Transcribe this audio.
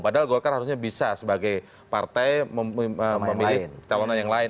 padahal golkar harusnya bisa sebagai partai memilih calon yang lain